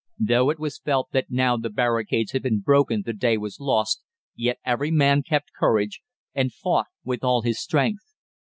Though it was felt that now the barricades had been broken the day was lost, yet every man kept courage, and fought with all his strength.